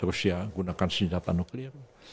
rusia gunakan senjata nuklir